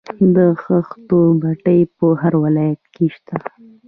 د خښتو بټۍ په هر ولایت کې شته